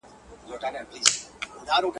چاویل چي چوروندک د وازګو ډک دی.